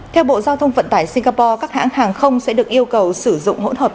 theo bộ giao thông vận tải singapore các hãng hàng không sẽ được yêu cầu sử dụng hỗn hợp